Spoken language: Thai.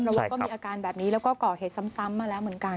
วุฒิก็มีอาการแบบนี้แล้วก็ก่อเหตุซ้ำมาแล้วเหมือนกัน